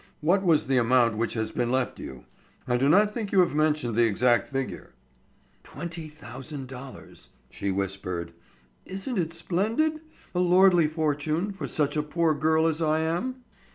What was the amount which has been left you? I do not think you have mentioned the exact figure." "Twenty thousand dollars," she whispered. "Isn't it splendid,—a lordly fortune, for such a poor girl as I am?"